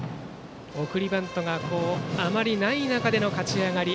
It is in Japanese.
送りバントがあまりない中での勝ち上がり。